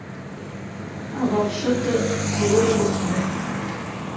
- Ә вопшыты булыр у һинән.